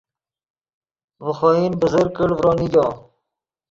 ڤے خوئن بزرگ کڑ ڤرو نیگو